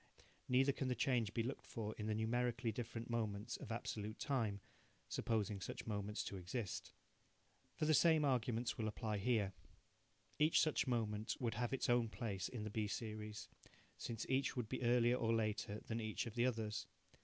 Neither can the change be looked for in the numerically different moments of absolute time, supposing such moments to exist. For the same arguments will apply here. Each such moment would have its own place in the B series, since each would be earlier or later than each of the others.